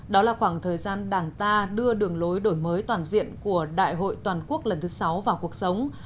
đó là khoảng thời gian đảng ta đưa đường lối đổi mới toàn diện của đại hội toàn quốc lần thứ sáu vào cuộc sống